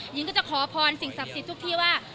หญิงก็จะขอพรสิ่งศักดิ์สิทธิ์ทุกที่ว่า